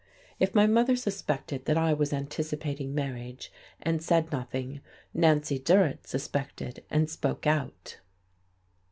If my mother suspected that I was anticipating marriage, and said nothing, Nancy Durrett suspected and spoke out.